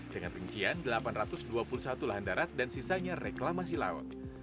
dengan rincian delapan ratus dua puluh satu lahan darat dan sisanya reklamasi laut